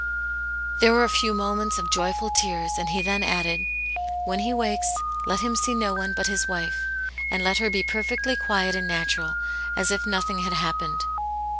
There were a few moments of joyful tears, and he then added, "When he wakes let him see no one but his wife, and let her be perfectly quiet and natural, as if nothing had happened."